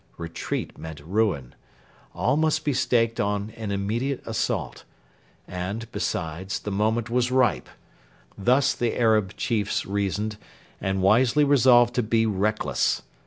Retreat meant ruin. All must be staked on an immediate assault. And, besides, the moment was ripe. Thus the Arab chiefs reasoned, and wisely resolved to be reckless.